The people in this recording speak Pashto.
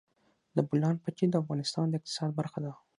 د بولان پټي د افغانستان د اقتصاد برخه ده.